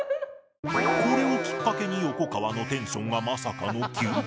これをきっかけに横川のテンションがまさかの急降下